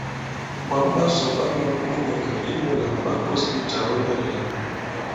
Ɓɔ̌n ɓasò ɓa nɔ̄k munyɛ̀ŋgɛ̀ inyū lā ɓa kǒs bicàwɛ nyàà-lì- nyàà.